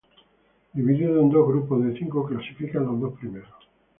Divididos en dos grupos de cinco, clasifican los dos primeros.